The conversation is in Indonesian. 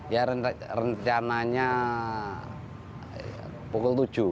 ya rencananya pukul tujuh